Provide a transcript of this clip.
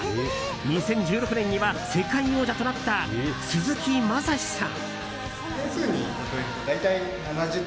２０１６年には世界王者となった鈴木雅さん。